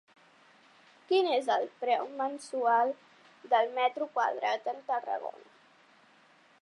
Quin és el preu mensual del metro quadrat en Tarragona?